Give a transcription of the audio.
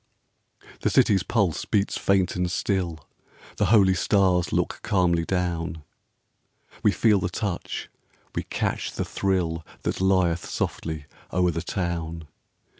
The city's pulse beats faint and still, The holy stars look calmly down ; We feel the touch, we catch the thrill That lieth softly o'er the town.